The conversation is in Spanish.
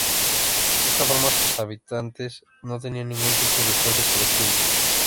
De esta forma, sus habitantes no tenían ningún tipo de espacio colectivo.